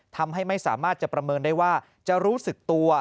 ทำให้ไม่สามารถจะประเมินได้ว่าจะรู้สึกตัว